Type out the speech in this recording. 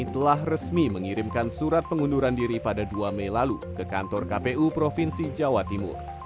telah resmi mengirimkan surat pengunduran diri pada dua mei lalu ke kantor kpu provinsi jawa timur